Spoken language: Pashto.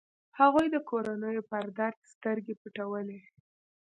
هغوی د کورنيو پر درد سترګې پټولې.